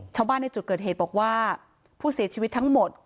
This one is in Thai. ชาวบ้านในจุดเกิดเหตุบอกว่าผู้เสียชีวิตทั้งหมด